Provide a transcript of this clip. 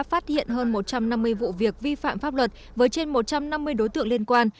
phát hiện hơn một trăm năm mươi vụ việc vi phạm pháp luật với trên một trăm năm mươi đối tượng liên quan